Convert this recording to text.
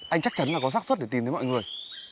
anh chắc chắn là có sắc xuất để tìm đến mọi người